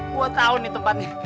gua tahu nih tempatnya